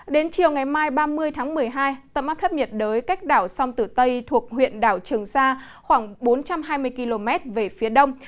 đến chiều ngày mai ba mươi tháng một mươi hai tâm áp thấp nhiệt đới cách đảo sông tử tây thuộc huyện đảo trường sa khoảng bốn trăm hai mươi km về phía đông